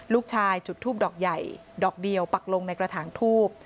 จุดทูบดอกใหญ่ดอกเดียวปักลงในกระถางทูบ